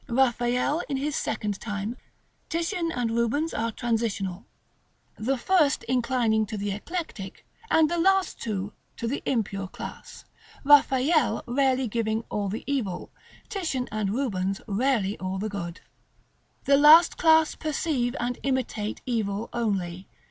Raffaelle in his second time, Titian, and Rubens are transitional; the first inclining to the eclectic, and the last two to the impure class, Raffaelle rarely giving all the evil, Titian and Rubens rarely all the good. § LIV. The last class perceive and imitate evil only.